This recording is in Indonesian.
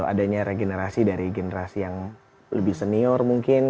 adanya regenerasi dari generasi yang lebih senior mungkin